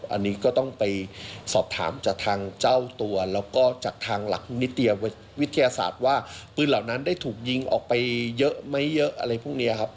อันนี้ก็ต้องไปสอบถามจากทางเจ้าตัวแล้วก็จากทางหลักนิติวิทยาศาสตร์ว่าปืนเหล่านั้นได้ถูกยิงออกไปเยอะไหมเยอะอะไรพวกนี้ครับ